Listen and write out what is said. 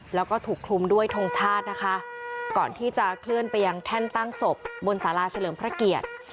แล้วก็ถูกคลุมด้วยทงชาตินะคะก่อนที่จะเคลื่อนไปยังแท่นตั้งศพบนสาราเฉลิมพระเกียรติ